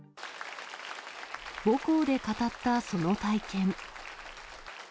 母校で語ったその体験。